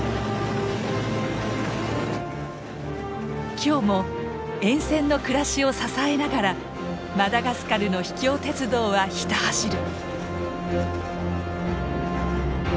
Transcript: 今日も沿線の暮らしを支えながらマダガスカルの秘境鉄道はひた走る。